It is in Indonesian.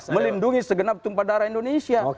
melindungi segenap tumpah darah indonesia